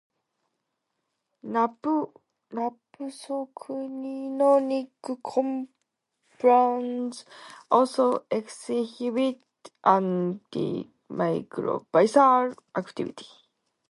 Napthoquinonic compounds also exhibit antimicrobial activity.